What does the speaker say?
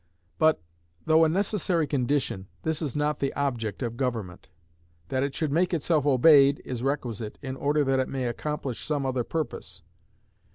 But, though a necessary condition, this is not the object of government. That it should make itself obeyed is requisite, in order that it may accomplish some other purpose.